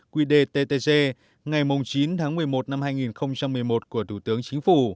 sáu mươi hai hai nghìn một mươi một qd ttg ngày chín một mươi một hai nghìn một mươi một của thủ tướng chính phủ